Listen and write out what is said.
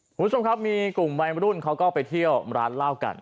คุณผู้ชมครับมีกลุ่มวัยรุ่นเขาก็ไปเที่ยวร้านเหล้ากัน